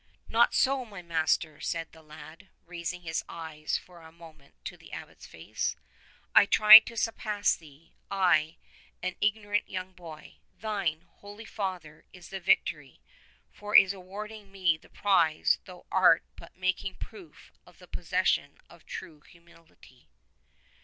"Not so, my master," said the lad, raising his eyes for a moment to the Abbot's face. "I tried to surpass thee, I, an ignorant young boy. Thine, holy Father, is the victory, for in awarding me the prize thou art but making proof of the possession of true humility."